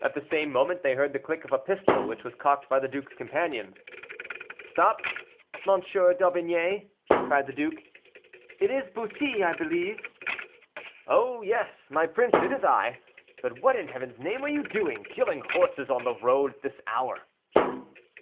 At the same moment they heard the click of a pistol, which was cocked by the duke's companion. "Stop, M. d'Aubigné," cried the duke, "it is Bussy, I believe." "Oh! yes, my prince, it is I. But what, in Heaven's name are you doing, killing horses on the road at this hour?"